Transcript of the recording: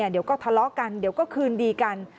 เดี๋ยวก็ทะเลาะกันเดี๋ยวก็คืนดีกัน